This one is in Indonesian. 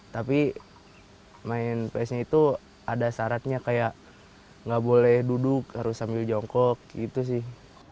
tapi main pas nya itu ada syaratnya kayak nggak boleh duduk harus sambil jongkok gitu sih